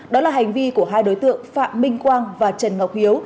đó là hành vi của hai đối tượng phạm minh quang và trần ngọc hiếu